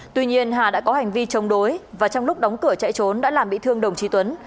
tuy nhiên hà đã có hành vi chống đối và trong lúc đóng cửa chạy trốn đã làm bị thương đồng chí tuấn